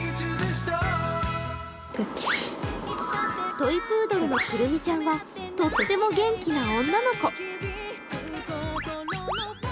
トイプードルのくるみちゃんはとっても元気な女の子。